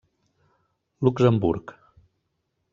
Luxemburg.